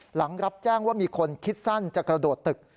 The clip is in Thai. หลังรับแจ้งว่ามีคนคิดสั้นจะกระโดดตึก